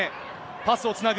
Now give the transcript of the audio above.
パスをつなぐ。